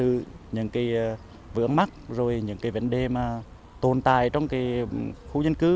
từ đó có thể là bà con có thể cung cấp cũng như là tâm sự những cái vướng mắt rồi những cái vấn đề mà tồn tại trong cái khu dân cư